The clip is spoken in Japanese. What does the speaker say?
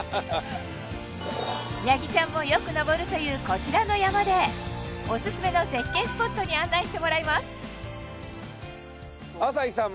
やぎちゃんもよく登るというこちらの山でオススメの絶景スポットに案内してもらいます朝日さんもね